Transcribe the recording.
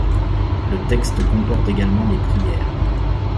Le texte comporte également des prières.